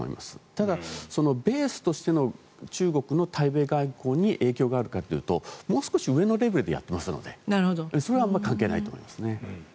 ただ、ベースとしての中国の対米外交に影響があるかというともう少し上のレベルでやってますのでそれはあまり関係ないと思いますね。